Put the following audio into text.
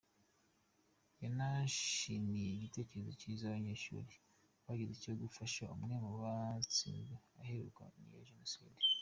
Yanashimiye igitekerezo kiza abanyeshuli bagize cyo gufasha umwe mu basizwe iheruheru niyo jenoside.